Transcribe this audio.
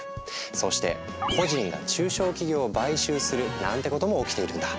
そうして個人が中小企業を買収するなんてことも起きているんだ。